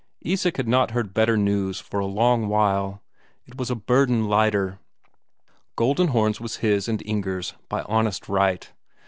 Isak had not heard better news a long while; it was a burden lighter. Goldenhorns was his and Inger's by honest right.